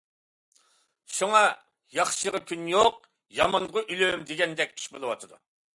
شۇڭا «ياخشىغا كۈن يوق، يامانغا ئۆلۈم» دېگەندەك ئىش بولۇۋاتىدۇ.